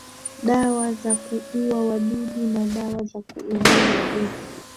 dawa za kuua wadudu na dawa za kuulia wadudu